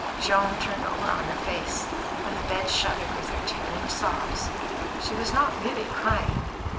Joan turned over on her face, and the bed shuddered with her tearing sobs. She was not really crying.